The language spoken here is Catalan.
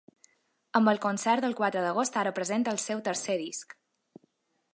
Amb el concert del quatre d’agost ara presenta el seu tercer disc.